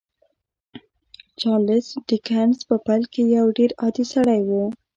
چارلیس ډیکنز په پیل کې یو ډېر عادي سړی و